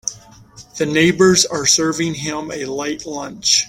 The neighbors are serving him a light lunch.